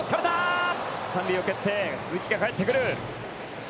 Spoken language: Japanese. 三塁を蹴って鈴木が帰ってくる。